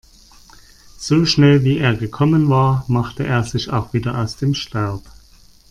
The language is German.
So schnell, wie er gekommen war, machte er sich auch wieder aus dem Staub.